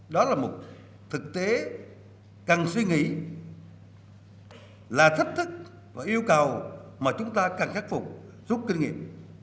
đó là một thực tế cần suy nghĩ là thách thức và yêu cầu mà chúng ta cần khắc phục rút kinh nghiệm